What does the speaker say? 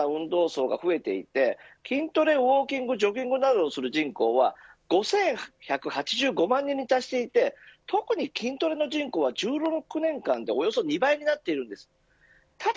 私のようなライトな運動層が増えていて筋トレ、ウオーキングジョギングなどをする人口は５１８５万人に達していて特に筋トレの人口は１６年間でおよそ２倍になっているんです。